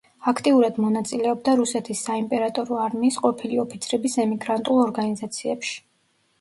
აქტიურად მონაწილეობდა რუსეთის საიმპერატორო არმიის ყოფილი ოფიცრების ემიგრანტულ ორგანიზაციებში.